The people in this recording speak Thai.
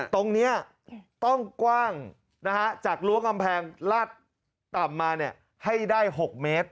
ตรงนี้ต้องกว้างจากรั้วกำแพงลาดต่ำมาให้ได้๖เมตร